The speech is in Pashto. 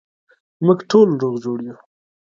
موږ ټوله روغ جوړ یو